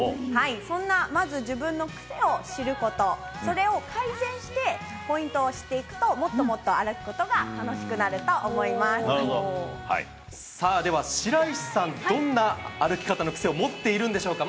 そんなまず自分の癖を知ること、それを改善して、ポイントを知っていくと、もっともっと歩くことが楽しくなると思さあ、では白石さん、どんな歩き方の癖を持っているんでしょうか。